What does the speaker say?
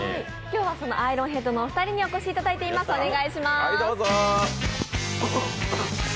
今日はアイロンヘッドのお二人にお越しいただいています。